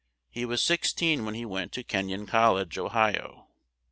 He was six teen when he went to Ken yon Col lege, Ohio.